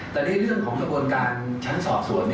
แต่ในเรื่องของกระบวนการชั้นสอบสวน